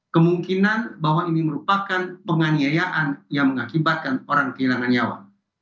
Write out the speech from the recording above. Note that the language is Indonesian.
kemungkinan bahwa ini merupakan penganiayaan yang mengakibatkan orang kehilangan nyawa